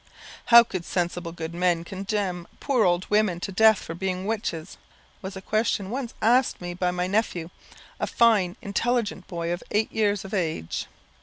"How could sensible, good men, condemn poor old women to death for being witches?" was a question once asked me by my nephew, a fine, intelligent boy, of eight years of age.